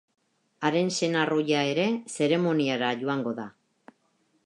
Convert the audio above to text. Haren senar ohia ere zeremoniara joango da.